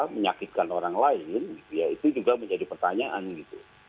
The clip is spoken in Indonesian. menyakitkan orang lain ya itu juga menjadi pertanyaan gitu